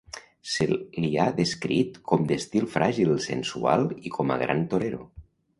Se li ha descrit com d'estil fràgil, sensual i com a gran torero.